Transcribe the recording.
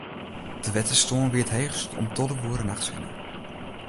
De wetterstân wie it heechst om tolve oere nachts hinne.